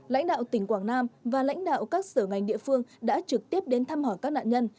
lãnh đạo tỉnh quảng nam và lãnh đạo các sở ngành địa phương đã trực tiếp đến thăm hỏi các nạn nhân